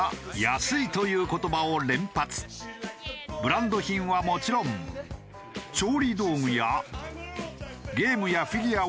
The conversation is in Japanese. ブランド品はもちろん調理道具やゲームやフィギュアを爆買い。